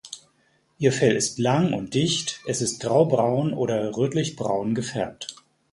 Ihr Fell ist lang und dicht, es ist graubraun oder rötlichbraun gefärbt.